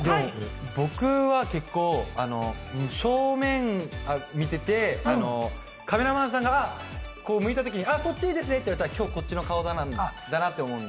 僕は結構、正面見てて、カメラマンさんが、こう向いたときに、そっちいいですねって言われたら、今日こっちの顔なんだなって思って。